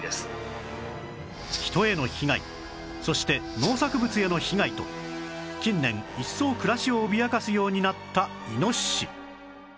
人への被害そして農作物への被害と近年一層暮らしを脅かすようになったイノシシ